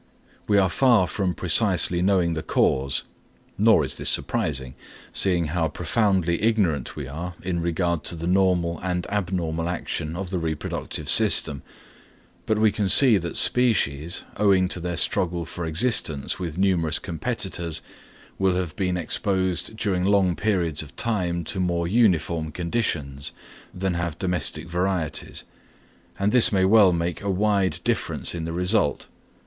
We are far from precisely knowing the cause; nor is this surprising, seeing how profoundly ignorant we are in regard to the normal and abnormal action of the reproductive system. But we can see that species, owing to their struggle for existence with numerous competitors, will have been exposed during long periods of time to more uniform conditions, than have domestic varieties; and this may well make a wide difference in the result.